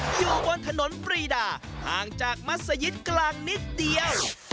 อยู่บนถนนปรีดาห่างจากมัศยิตกลางนิดเดียว